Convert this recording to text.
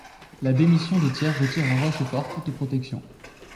La démission de Thiers retire à Rochefort toute protection.